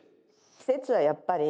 施設はやっぱり。